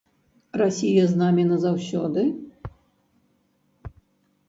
Расія з намі назаўсёды?